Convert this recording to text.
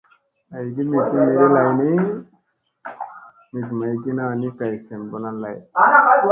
Aygi mit ni miɗi lay ni mit maygina ni kay sem lona lay.